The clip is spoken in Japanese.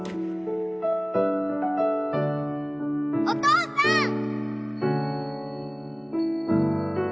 お父さん！